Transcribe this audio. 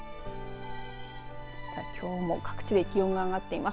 さあ、きょうも各地で気温が上がっています。